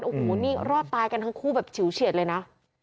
โอ้โหนี่รอดตายกันทั้งคู่แบบฉิวเฉียดเลยนะ